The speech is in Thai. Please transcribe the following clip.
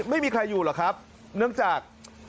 ไม่มีใครอยู่หรอกครับเนื่องจาก